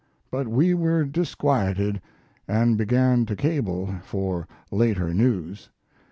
But we were disquieted and began to cable for later news.